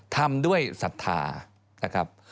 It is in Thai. ทำด้วยศรัทธานะครับ